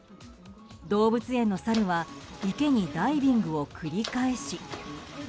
動物園のサルは池にダイビングを繰り返し。